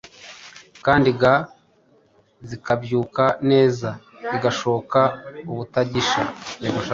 Kandi ga zikabyuka neza igashoka ubutagisha